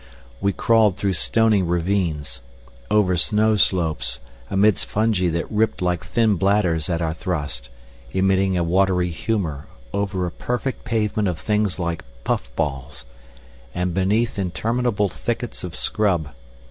We crawled through stony ravines, over snow slopes, amidst fungi that ripped like thin bladders at our thrust, emitting a watery humour, over a perfect pavement of things like puff balls, and beneath interminable thickets of scrub.